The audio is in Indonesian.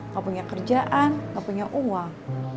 gak punya kerjaan gak punya uang